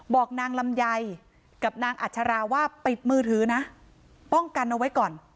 บอกนางลำไยกับนางอัชราว่าปิดมือถือนะป้องกันเอาไว้ก่อน